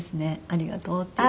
ありがとうって。